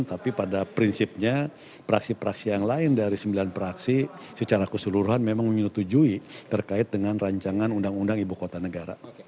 tapi pada prinsipnya praksi praksi yang lain dari sembilan praksi secara keseluruhan memang menyetujui terkait dengan rancangan undang undang ibu kota negara